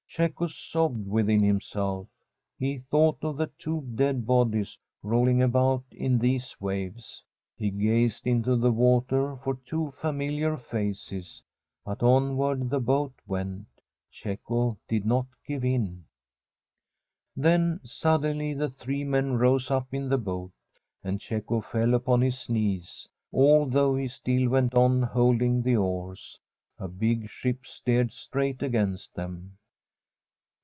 Cecco sobbed within himself. He thought of two dead bodies rolling about in these waves. He gazed into the water for two familiar faces. But onward the boat went. Cecco did not give in. Then suddertly the three men rose up in the boat ; and Cecco fell upon his knees, although he still went on holding the oars. A big ship steered straight against them.